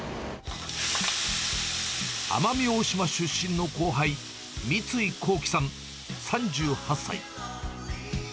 奄美大島出身の後輩、三井幸樹さん３８歳。